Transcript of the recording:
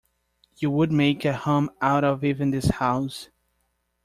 You would make a home out of even this house.